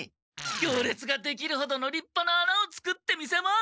行列ができるほどのりっぱな穴を作ってみせます！